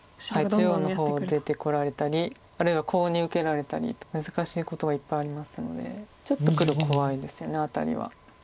中央の方出てこられたりあるいはコウに受けられたり難しいことがいっぱいありますのでちょっと黒怖いですよねアタリは。